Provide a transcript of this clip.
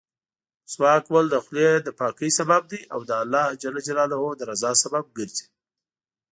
مسواک وهل د خولې دپاکۍسبب دی او د الله جل جلاله درضا سبب ګرځي.